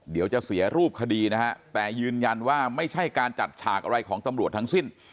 เดี๋ยวจะเสียรูปคดีนะฮะแต่ยืนยันว่าไม่ใช่การจัดฉากอะไรของตำรวจทั้งสิ้น